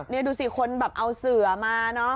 นี่ดูสิคนแบบเอาเสือมาเนอะ